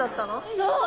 そう！